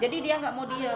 jadi dia gak mau diem